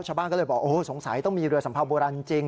ชาวบ้านก็เลยบอกโอ้โหสงสัยต้องมีเรือสัมเภาโบราณจริง